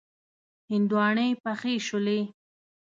هندواڼی پخې شولې.